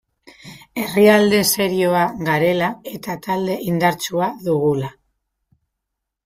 Herrialde serioa garela eta talde indartsua dugula.